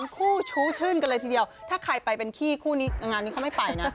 คู่ชู้ชื่นกันเลยทีเดียวถ้าใครไปเป็นขี้คู่นี้งานนี้เขาไม่ไปนะ